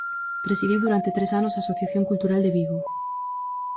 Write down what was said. Presidiu durante tres anos a Asociación Cultural de Vigo.